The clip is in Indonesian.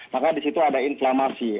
maka di situ ada inflamasi